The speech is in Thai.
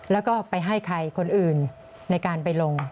แล้วก็ไปให้ใครคนอื่นในการไปลง